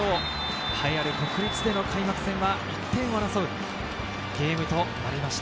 栄えある国立での開幕戦は１点を争うゲームとなりました。